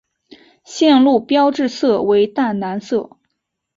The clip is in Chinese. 线路标志色为淡蓝色。